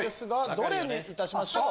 どれにいたしましょう？